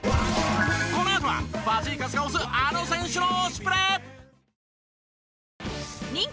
このあとはファジーカスが推すあの選手の推しプレ！